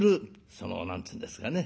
その何て言うんですかね